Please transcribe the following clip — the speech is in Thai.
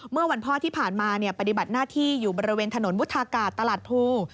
เมื่อวันพ่อที่ผ่านมาปฏิบัติหน้าที่อยู่บริเวณถนนวุฒากาศตลาดภู